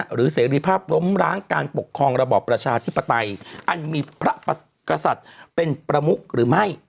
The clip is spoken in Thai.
เสรีภาพล้มร้างการปกครองระบอบประชาธิปไตยอันมีพระกษัตริย์เป็นประมุกหรือไม่